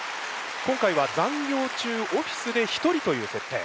今回は残業中オフィスで１人という設定。